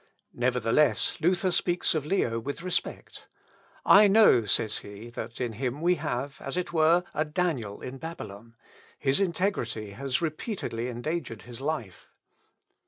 Nevertheless, Luther speaks of Leo with respect. "I know," says he, "that in him we have, as it were, a Daniel in Babylon; his integrity has repeatedly endangered his life."